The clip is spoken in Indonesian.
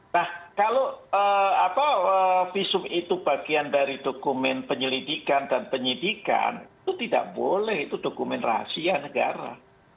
nah kalau visum itu bagian dari dokumen penyelidikan dan penyidikan itu tidak boleh itu dokumen rahasia negara